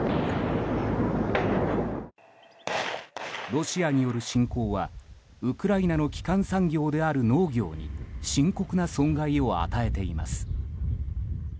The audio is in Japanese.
ロシアによる侵攻はウクライナの基幹産業である農業に深刻な損害を与えています。